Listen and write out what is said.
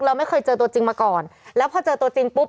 เราไม่เคยเจอตัวจริงมาก่อนแล้วพอเจอตัวจริงปุ๊บ